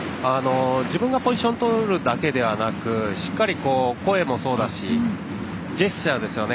自分がポジションを取るだけではなくしっかり声もそうだしジェスチャーですよね。